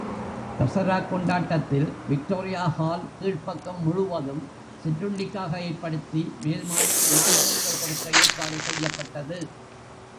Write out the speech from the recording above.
தசராக் கொண்டாட்டத்தில், Victoria Hall கீழ்ப்பக்கம் முழுவதும் சிற்றுண்டிக்காக ஏற்படுத்தி, மேல் மாடியில் நாடகங்கள் கொடுக்க ஏற்பாடு செய்யப்பட்டது.